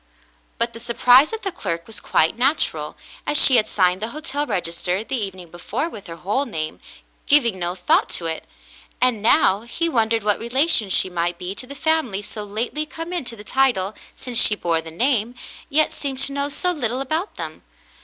But the surprise of the clerk was quite natural, as she r David's Ancestors 275 had signed the hotel register the evening before with her whole name, giving no thought to it; and now he won dered what relation she might be to the family so lately come into the title, since she bore the name, yet seemed to know so little about them.